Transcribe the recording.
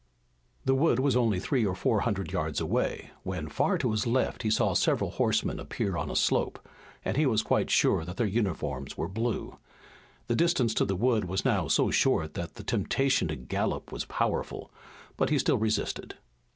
The wood was only three or four hundred yards away, when far to his left he saw several horsemen appear on a slope, and he was quite sure that their uniforms were blue. The distance to the wood was now so short that the temptation to gallop was powerful, but he still resisted.